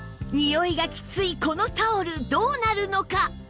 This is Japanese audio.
においがきついこのタオルどうなるのか？